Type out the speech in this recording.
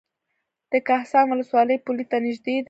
د کهسان ولسوالۍ پولې ته نږدې ده